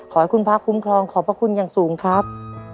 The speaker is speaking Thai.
ขอให้คุณพระคุ้มครองขอบพระคุณอย่างสูงครับ